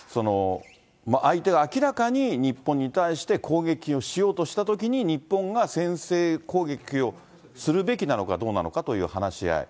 相手が明らかに日本に対して攻撃をしようとしたときに、日本が先制攻撃をするべきなのかどうなのかという話し合い。